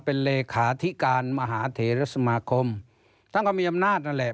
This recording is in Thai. เป็นเลขาธิการมหาเถระสมาคมท่านก็มีอำนาจนั่นแหละ